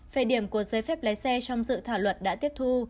về điểm của giấy phép lái xe trong dự thảo luật đã tiếp thu